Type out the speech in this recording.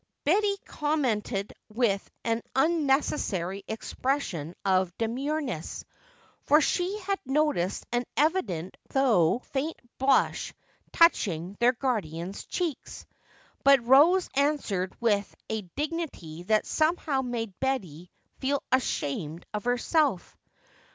Betty commented with an unnecessary expression of demureness, for she had noticed an evident though faint blush touching their guardian's cheeks. But Rose answered with a dignity that somehow made Betty feel ashamed of herself.